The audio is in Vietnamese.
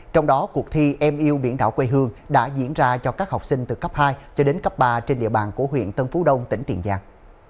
trong đó cuộc thi em yêu biển đảo quê hương đã diễn ra cho các học sinh từ cấp hai cho đến cấp ba trên địa bàn của huyện tân phú đông tỉnh tiền giang